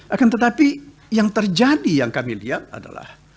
akan tetapi yang terjadi yang kami lihat adalah